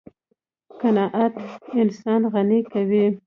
قناعت انسان غني کوي.